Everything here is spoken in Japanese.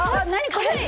これ。